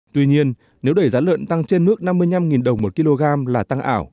tuy nhiên nếu đẩy giá lợn tăng trên nước năm mươi năm đồng một kg là tăng ảo